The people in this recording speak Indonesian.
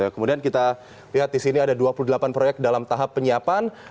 kemudian kita lihat di sini ada dua puluh delapan proyek dalam tahap penyiapan